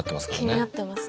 気になってます。